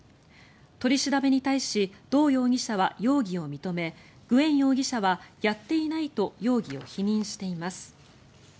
取り調べに対しドー容疑者は容疑を認めグエン容疑者は、やっていないと容疑を否認しています。